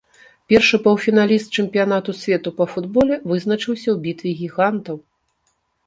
Першы паўфіналіст чэмпіянату свету па футболе вызначыўся ў бітве гігантаў.